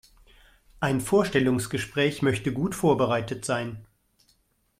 Ein Vorstellungsgespräch möchte gut vorbereitet sein.